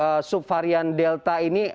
masuk subvarian delta ini